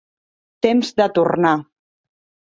Temps de tornar